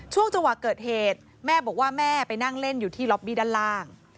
ช่วงจังหวะเกิดเหตุแม่บอกว่าแม่ไปนั่งเล่นอยู่ที่ล็อบบี้ด้านล่าง